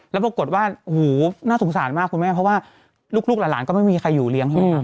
แล้วปรากฏว่าน่าสงสารมากคุณแม่เพราะว่าลูกหลานก็ไม่มีใครอยู่เลี้ยง